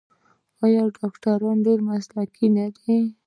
آیا ډاکټران یې ډیر مسلکي نه دي؟